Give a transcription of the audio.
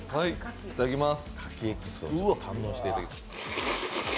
いただきます。